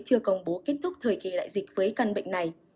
chưa công bố kết thúc thời kỳ đại dịch với căn bệnh này